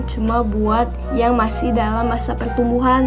cuma buat yang masih dalam masa pertumbuhan